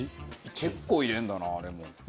結構入れるんだなレモン。